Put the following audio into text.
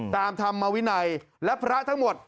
ตามธรรมวินัยและพระทั้งหมด